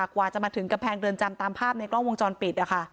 กว่าจะมาถึงกำแพงเรือนจำตามภาพในกล้องวงจรปิด